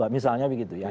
misalnya begitu ya